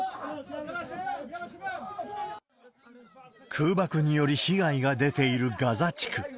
空爆により被害が出ているガザ地区。